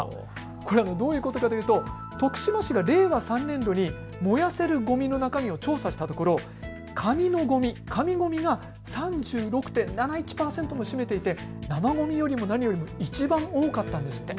これはどういうことかというと徳島市が令和３年度に燃やせるごみの中身を調査したところ、紙のごみ、紙ごみが３６．７１％も占めていて生ごみよりも何よりもいちばん多かったんですって。